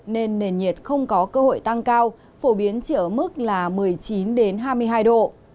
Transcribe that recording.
nên nền nhiệt không có cơ hội tăng cao phổ biến chỉ ở mức là một mươi chín hai mươi hai độ